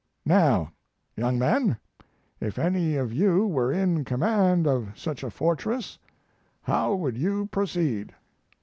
Now, young men, if any of you were in command of such a fortress, how would you proceed?'